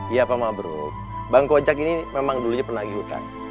iya pak mabruk bang kocak ini memang dulunya penagih hutan